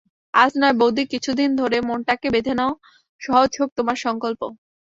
আজ নয় বউদি, কিছুদিন ধরে মনটাকে বেঁধে নাও, সহজ হোক তোমার সংকল্প।